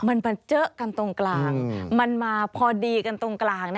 มันมาเจอกันตรงกลางมันมาพอดีกันตรงกลาง